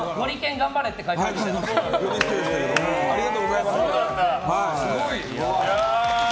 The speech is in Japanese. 頑張れって書いてありましたよ。